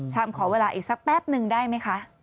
ขอเวลาอีกสักแป๊บนึงได้ไหมคะ